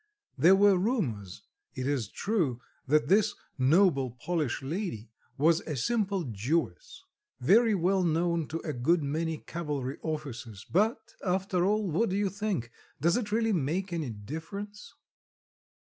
There were rumours, it is true, that this "noble Polish lady" was a simple Jewess, very well known to a good many cavalry officers but, after all, what do you think does it really make any difference?